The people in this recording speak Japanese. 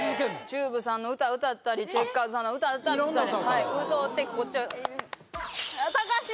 ＴＵＢＥさんの歌歌ったりチェッカーズさんの歌歌ったり歌うてこっちはたかし！